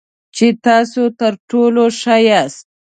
چې تاسو تر ټولو ښه یاست .